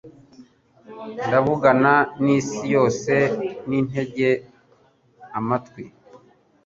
Ndavugana n'isi yose nintege amatwi